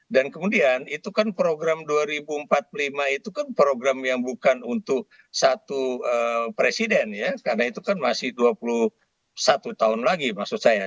dan kemudian itu kan program dua ribu empat puluh lima itu kan program yang bukan untuk satu presiden ya karena itu kan masih dua puluh satu tahun lagi maksud saya